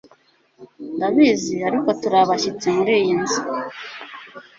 Ndabizi, ariko turi abashyitsi muriyi nzu,